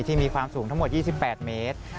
มีความสูงทั้งหมด๒๘เมตร